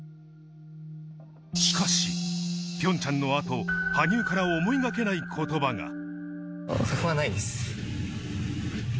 しかしピョンチャンの後、羽生から思いがけない言葉が。